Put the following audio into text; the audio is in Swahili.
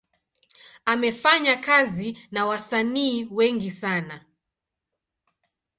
Amefanya kazi na wasanii wengi sana.